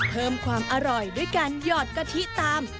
เพิ่มความอร่อยด้วยการหยอดกะทิตาม